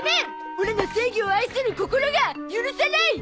オラの正義を愛する心が許さない！